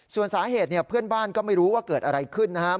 ส่วนสาเหตุเนี่ยเพื่อนบ้านก็ไม่รู้ว่าเกิดอะไรขึ้นนะครับ